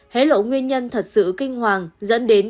hế lộ nguyên nhân thật sự kinh hoàng